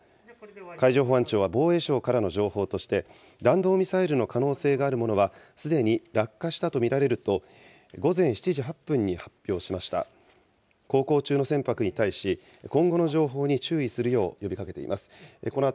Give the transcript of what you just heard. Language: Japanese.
海上保安庁は、防衛省からの情報として、弾道ミサイルの可能性があるものは、すでに落下したと見られると、午前７時８分に発表しました。